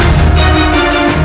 apakah benar guru